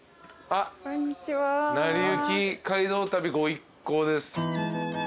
『なりゆき街道旅』御一行です。